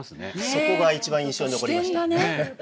そこが一番印象に残りましたね。